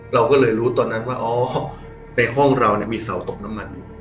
เราก็เลยรู้ตอนนั้นว่าอ๋อในห้องเรามีเสาตกน้ำมันอยู่